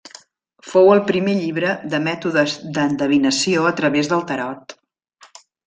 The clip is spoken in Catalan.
Fou el primer llibre de mètodes d'endevinació a través del Tarot.